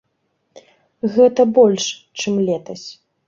Гэта больш, чым летась.